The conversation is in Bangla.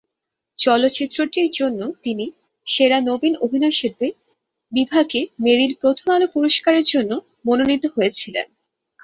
চলচ্চিত্রটির জন্য তিনি 'সেরা নবীন অভিনয়শিল্পী' বিভাগে মেরিল প্রথম আলো পুরস্কারের জন্য মনোনীত হয়েছিলেন।